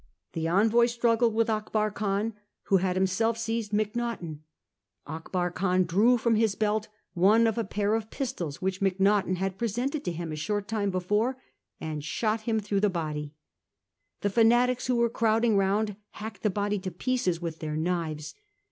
The envoy struggled with Akbar Khan, who had himself seized Macnaghten ; Akbar Khan drew from his belt one of a pair of pistols which Macnaghten had pre sented to him a short time before, and shot him through the body. The fanatics who were crowding round hacked the body to pieces with their knives.